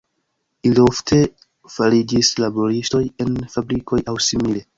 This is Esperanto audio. Ili ofte fariĝis laboristoj en fabrikoj aŭ simile.